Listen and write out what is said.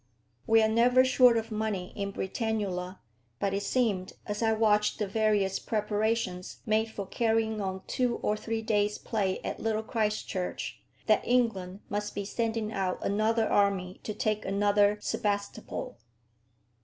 We are never short of money in Britannula; but it seemed, as I watched the various preparations made for carrying on two or three days' play at Little Christchurch, that England must be sending out another army to take another Sebastopol.